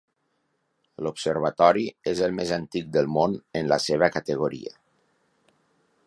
L'observatori és el més antic del món en la seva categoria.